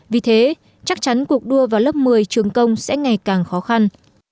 vì thế chắc chắn cuộc đua vào lớp một mươi trường công sẽ ngày càng khó khăn